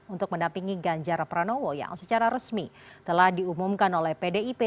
untuk mendampingi ganjar pranowo yang secara resmi telah diumumkan oleh pdip